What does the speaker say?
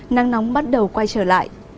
nắng nóng bắt đầu quay trở lại